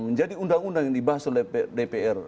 menjadi undang undang yang dibahas oleh dpr